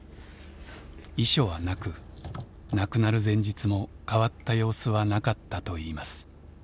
遺書はなく亡くなる前日も変わった様子はなかったといいます。